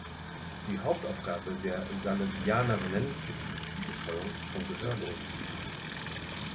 Die Hauptaufgabe der Salesianerinnen ist die Betreuung von Gehörlosen.